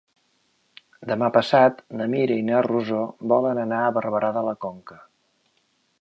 Demà passat na Mira i na Rosó volen anar a Barberà de la Conca.